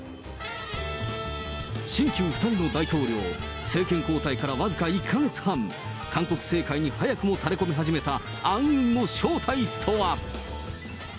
新旧２人の大統領、政権交代から僅か１か月半、韓国政界に早くもたれこめ始めた暗雲の正体とは。